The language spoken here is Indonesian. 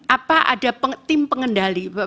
apa ada tim pengendali